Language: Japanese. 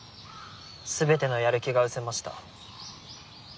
全てのやる気がうせました。